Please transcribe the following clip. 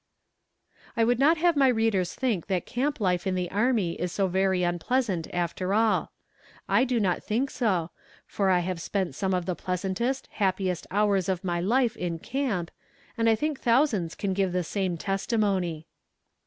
I would not have my readers think that camp life in the army is so very unpleasant, after all. I do not think so, for I have spent some of the pleasantest, happiest hours of my life in camp, and I think thousands can give the same testimony.